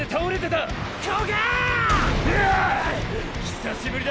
久しぶりだ。